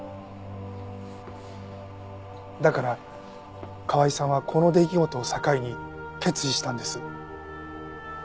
だから川井さんはこの出来事を境に決意したんです。